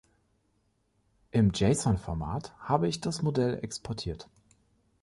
Im JSON-Format habe ich das Modell exportiert.